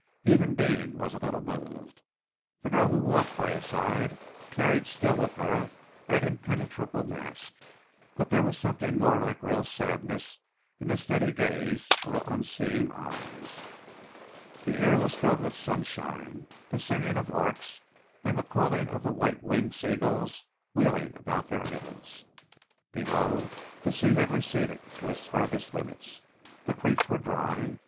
Even Deane was a little moved. The girl who walked by his side carried still with her that impenetrable mask, but there was something more like real sadness in the steady gaze of her unseeing eyes. The air was filled with sunshine, the singing of larks, and the calling of the white winged seagulls wheeling about their heads. Below, the sea had receded to its furthest limits. The creeks were dry.